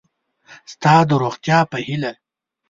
ستا د روغتیا په هیله